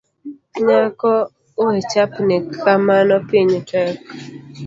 Nyako wechapni kamano piny tek.